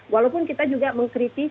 walaupun kita juga mengkritisi